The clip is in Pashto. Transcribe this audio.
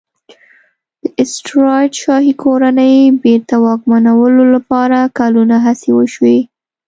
د سټیوراټ شاهي کورنۍ بېرته واکمنولو لپاره کلونه هڅې وشوې.